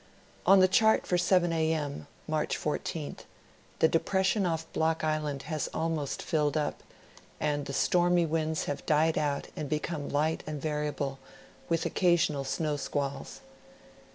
On the chart for 7 a. m., March 14th, the depression off Block Island has almost filled up, and the stormy winds have died out and become light and variable, with occasional snow squalls.